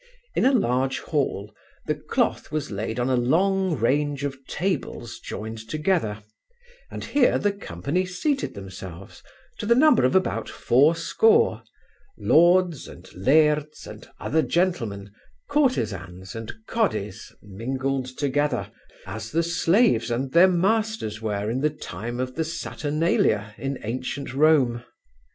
In a large hall the cloth was laid on a long range of tables joined together, and here the company seated themselves, to the number of about fourscore, lords, and lairds, and other gentlemen, courtezans and cawdies mingled together, as the slaves and their masters were in the time of the Saturnalia in ancient Rome.